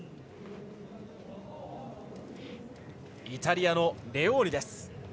イタリアのレオーニです。